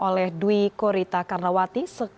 oleh dwi korita karnawati